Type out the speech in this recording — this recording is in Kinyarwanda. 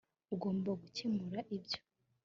Ugomba gukemura ibyo